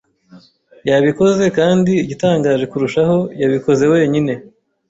Yabikoze, kandi igitangaje kurushaho, yabikoze wenyine.